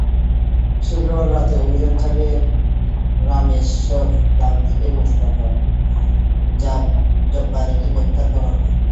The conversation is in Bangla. শুক্রবার রাতে অভিযান চালিয়ে রামেশ্বর গ্রাম থেকে মোস্তফা জব্বারীকে গ্রেপ্তার করা হয়।